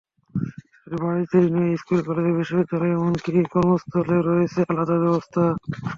শুধু বাড়িতেই নয়, স্কুল, কলেজ, বিশ্ববিদ্যালয় এমনকি কর্মস্থলেও রয়েছে আলাদা ব্যবস্থা।